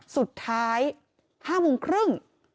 สุดท้าย๕โมงครึ่ง